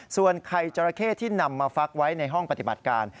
ส่วนไข่จราเข้ที่นำมาฟักไว้ในห้องปฏิบัติการ